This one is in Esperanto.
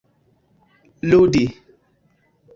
ludi